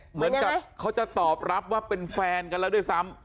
เหมือนกับเขาจะตอบรับว่าเป็นแฟนกันแล้วด้วยซ้ำ